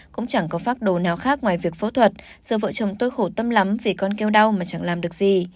cũng chẳng có phác đồ nào khác ngoài việc phẫu thuật giờ vợ chồng tôi khổ tâm lắm vì con keo mà chẳng làm được gì